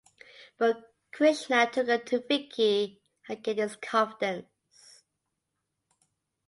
But Krishna took her to Vicky and gained his confidence.